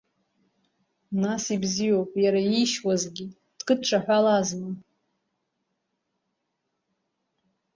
Нас ибзиоуп иара иишьуазгьы дкыдҿаҳәалазма?!